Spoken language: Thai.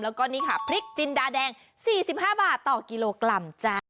แล้วก็นี่ค่ะพริกจินดาแดง๔๕บาทต่อกิโลกรัมจ๊ะ